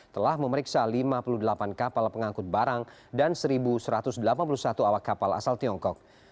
telah memeriksa lima puluh delapan kapal pengangkut barang dan satu satu ratus delapan puluh satu awak kapal asal tiongkok